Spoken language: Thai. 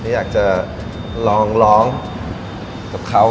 อยากจะลองร้องกับเขา